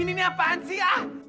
ini ini apaan sih